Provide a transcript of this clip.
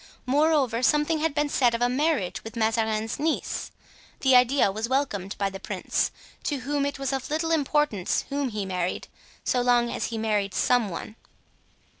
Moreover, something had been said of a marriage with Mazarin's niece. The idea was welcomed by the prince, to whom it was of little importance whom he married, so long as he married some one.